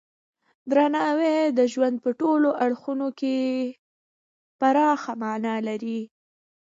درناوی د ژوند په ټولو اړخونو کې پراخه معنی لري.